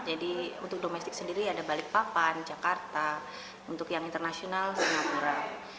jadi untuk domestik sendiri ada balikpapan jakarta untuk yang internasional singapura